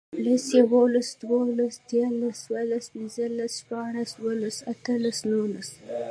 لس, یوولس, دوولس, دیرلس، څوارلس, پنځلس, شپاړس, اووهلس, اتهلس, نورلس